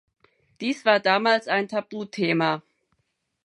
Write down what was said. Dies war damals ein Tabuthema.